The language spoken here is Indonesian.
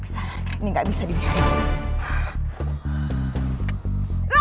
ini nggak bisa dibiarkan